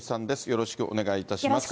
よろしくお願いします。